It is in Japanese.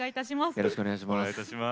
よろしくお願いします。